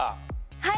はい。